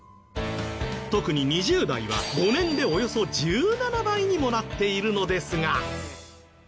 特に２０代は５年でおよそ１７倍にもなっているのですが。